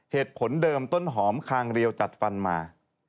เหตุผลเดิมต้นหอมคางเรียวจัดฟันมา